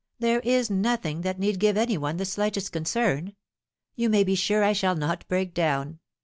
There is nothing that need give any one the slightest concern. You may be sure I shall not break down.